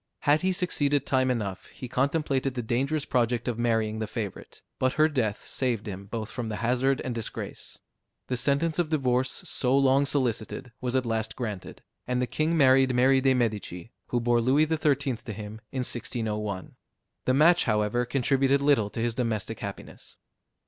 Had he succeeded time enough, he contemplated the dangerous project of marrying the favorite; but her death saved him both from the hazard and disgrace. The sentence of divorce, so long solicited, was at last granted, and the king married Mary de Medici, who bore Louis XIII. to him in 1601. The match, however, contributed little to his domestic happiness.